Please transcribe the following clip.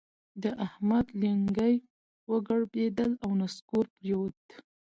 د احمد لېنګي وګړبېدل او نسکور پرېوت.